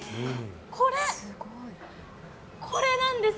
これ、これなんです。